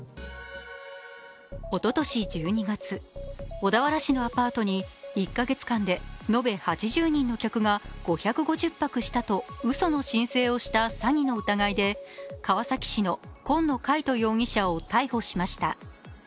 おととし１２月、小田原市のアパートに１か月間で延べ８０人の客が５５０泊したとうその申請をした詐欺の疑いで川崎市の紺野海斗容疑者を逮捕しました。